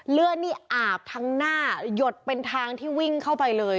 เลือดนี่อาบทั้งหน้าหยดเป็นทางที่วิ่งเข้าไปเลย